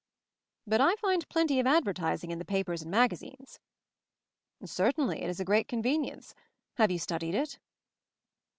"But I find plenty of advertising in the papers and magazines/' "Certainly — it is a great convenience. Have you studied it?"